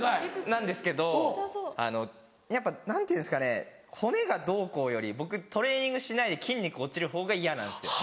なんですけどやっぱ何ていうんですかね骨がどうこうより僕トレーニングしないで筋肉落ちるほうが嫌なんですよ。